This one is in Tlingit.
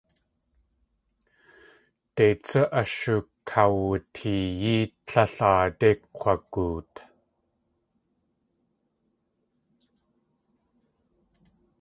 Dei tsú ashukawuteeyí tlél aadé kk̲wagoot.